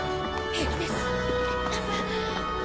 平気です。